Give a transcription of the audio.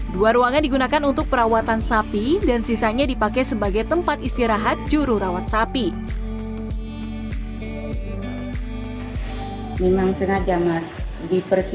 dua ruangan digunakan untuk perawatan sapi dan sisanya dipakai sebagai tempat istirahat juru rawat sapi